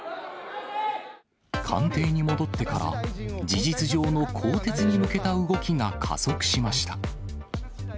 官邸に戻ってから、事実上の更迭に向けた動きが加速しました。